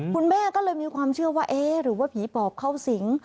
คุณแม่ก็เลยมีความเชื่อว่าเอ๊ะหรือว่าผีปอบเข้าสิง